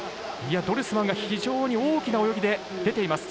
ドルスマンが非常に大きな泳ぎで出ています。